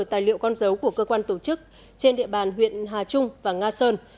tài liệu con dấu của cơ quan tổ chức trên địa bàn huyện hà trung và nga sơn